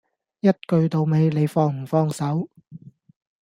一句到尾，你放唔放手